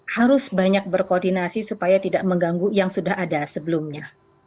harus banyak berkoordinasi supaya tidak mengganggu yang sudah ada sebelumnya